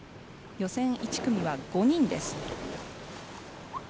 予選１組は５人です。